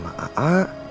mak emang ke rumah